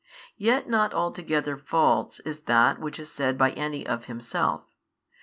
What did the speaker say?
Yet not altogether false is that which is said by any of himself.